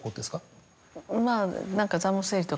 まぁ何か。